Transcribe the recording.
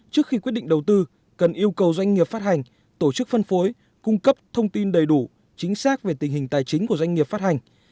trước khi quyết định đầu tư cần yêu cầu doanh nghiệp phát hành tổ chức phân phối cung cấp thông tin đầy đủ chính xác về tình hình tài chính của doanh nghiệp phát hành